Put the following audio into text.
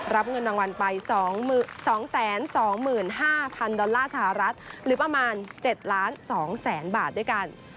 รับเงินรางวัลไป๒๒๕๐๐๐ดอลลาร์สหรัฐหรือประมาณ๗๒๐๐๐๐บาทด้วยกัน